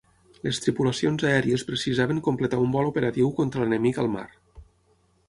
Les tripulacions aèries precisaven completar un vol operatiu contra l'enemic al mar.